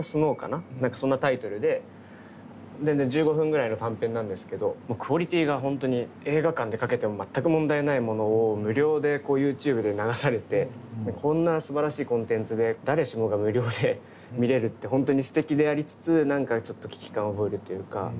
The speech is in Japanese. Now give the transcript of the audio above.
何かそんなタイトルで全然１５分ぐらいの短編なんですけどクオリティーが本当に映画館でかけても全く問題ないものを無料でこうＹｏｕＴｕｂｅで流されてこんなすばらしいコンテンツで誰しもが無料で見れるって本当にすてきでありつつ何かちょっと危機感を覚えるというか。